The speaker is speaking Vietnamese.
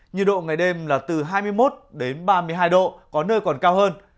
nhiệt độ ngày đêm là từ hai mươi một ba mươi hai độ có nơi còn cao hơn